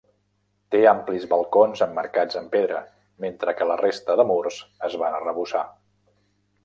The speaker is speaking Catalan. Té amplis balcons emmarcats en pedra mentre que la resta de murs es van arrebossar.